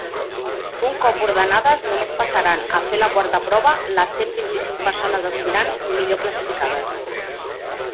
Un cop ordenades, només passaran a fer la quarta prova les cent vint-i-cinc persones aspirants millor classificades.